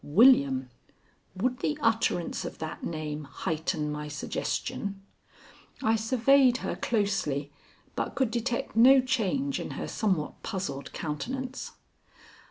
William! Would the utterance of that name heighten my suggestion? I surveyed her closely, but could detect no change in her somewhat puzzled countenance.